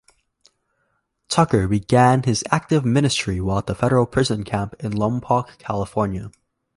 Tucker began his active ministry while at the Federal Prison Camp in Lompoc, California.